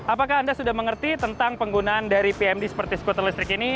apakah anda sudah mengerti tentang penggunaan dari pmd seperti skuter listrik ini